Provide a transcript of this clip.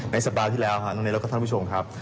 สัปดาห์ที่แล้วครับน้องเนสแล้วก็ท่านผู้ชมครับ